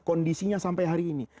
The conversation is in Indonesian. kondisinya sampai hari ini